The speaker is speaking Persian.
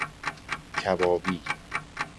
کبابی